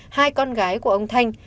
hai con gái của ông thanh